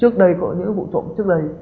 trước đây có những vụ trộm trước đây